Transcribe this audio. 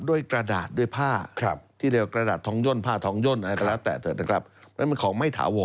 โดยกระดาษด้วยผ้า